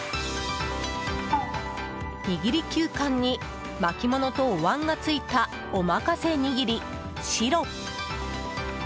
握り９貫に巻き物とおわんが付いた、おまかせ握り「白」。